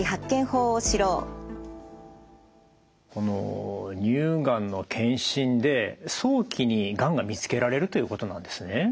この乳がんの検診で早期にがんが見つけられるということなんですね？